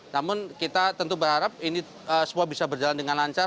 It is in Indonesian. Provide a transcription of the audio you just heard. namun kita tentu berharap ini semua bisa berjalan dengan lancar